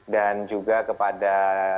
dan juga kepada